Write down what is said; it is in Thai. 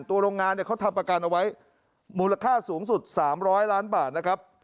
โรงงานเนี่ยเขาทำประกันเอาไว้มูลค่าสูงสุด๓๐๐ล้านบาทนะครับ